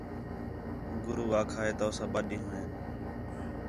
گُرو آکھا ہِے تُو ساں ٻَہہ ݙِین٘ہوں ہِے